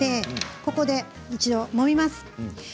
ここでもみます。